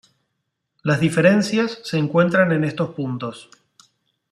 Las diferencias se encuentran en estos puntos.